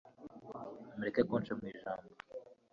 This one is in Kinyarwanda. mureke kunca mu ijambo